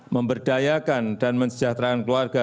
memberdayakan dan mensejahterakan keluarga